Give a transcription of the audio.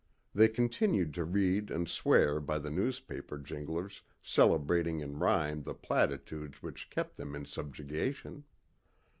They continued to read and swear by the newspaper jinglers celebrating in rhyme the platitudes which kept them in subjugation.